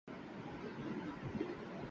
موت و زیست کے درمیاں حجاب زندگی